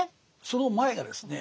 その前がですね